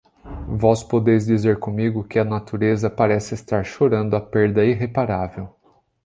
vós podeis dizer comigo que a natureza parece estar chorando a perda irreparável